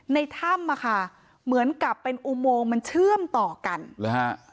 ในถ้ำอ่ะค่ะเหมือนกับเป็นอุโมงมันเชื่อมต่อกันหรือฮะ